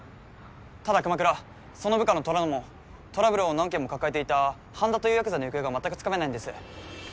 ただ熊倉その部下の虎ノ門トラブルを何件も抱えていた般田というヤクザの行方がまったくつかめないんです。